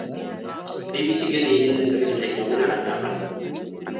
ቢቢሲ ግን ይህንን በገለልተኛ ወገን አላጣራም።